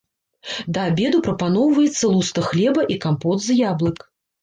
Да абеду прапаноўваецца луста хлеба і кампот з яблык.